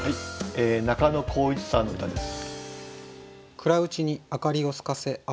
中野功一さんの歌です。